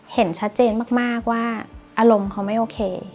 เห็นชัดเจนมากว่าอารมณ์เขาไม่โอเค